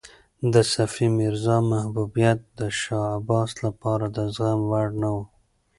د صفي میرزا محبوبیت د شاه عباس لپاره د زغم وړ نه و.